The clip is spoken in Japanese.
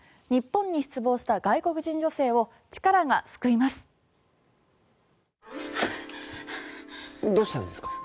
日本に失望した外国人女性をチカラが救います。